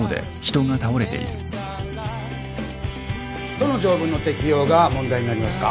どの条文の適用が問題になりますか？